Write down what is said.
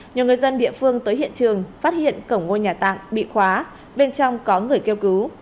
nhiều người dân địa phương tới hiện trường phát hiện cổng ngôi nhà tạm bị khóa bên trong có người kêu cứu